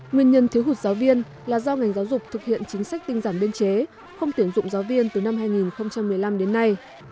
nguyên nhân thiếu hụt giáo viên là do ngành giáo dục thực hiện chính sách tinh giản biên chế không tuyển dụng giáo viên từ năm hai nghìn một mươi năm đến nay